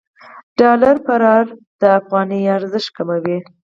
د ډالر فرار د افغانۍ ارزښت کموي.